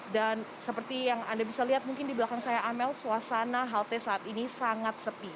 dan seperti yang anda bisa lihat mungkin di belakang saya amel suasana halte saat ini sangat sepi